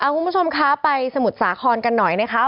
คุณผู้ชมคะไปสมุทรสาครกันหน่อยนะคะ